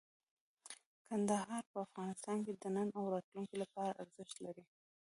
کندهار په افغانستان کې د نن او راتلونکي لپاره ارزښت لري.